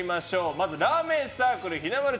まず、ラーメンサークルひなまる